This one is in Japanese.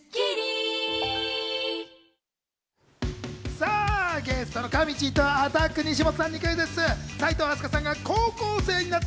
さあ、ゲストのかみちぃとアタック西本さんにクイズッス！